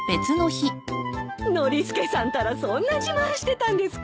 ノリスケさんたらそんな自慢してたんですか？